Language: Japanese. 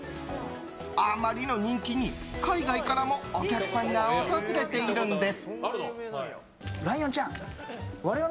あまりの人気に海外からもお客さんが訪れているんです。